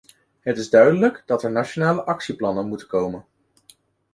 Het is duidelijk dat er nationale actieplannen moeten komen.